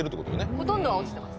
ほとんどは落ちてます